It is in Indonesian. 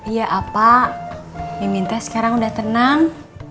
iya pak mimintai sekarang sudah tenang